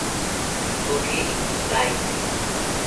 Pipoki intzipaete